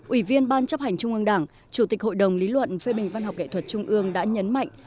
ủy viên ban chấp hành trung ương đảng chủ tịch hội đồng lý luận phê bình văn học nghệ thuật trung ương đã nhấn mạnh